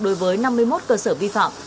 đối với năm mươi một cơ sở vi phạm